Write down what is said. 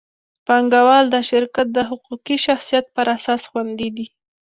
پانګهوال د شرکت د حقوقي شخصیت پر اساس خوندي دي.